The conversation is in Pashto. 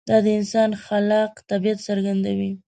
دا د انسان خلاق طبیعت څرګندوي.